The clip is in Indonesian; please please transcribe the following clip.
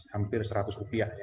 hampir seratus rupiah